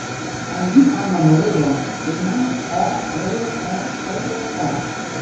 Em dic Alma Molero: ema, o, ela, e, erra, o.